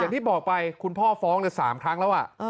ที่บอกไปคุณพ่อฟ้องแค่๓ครั้งแล้ว